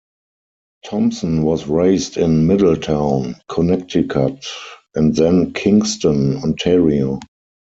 Thompson was raised in Middletown, Connecticut and then Kingston, Ontario.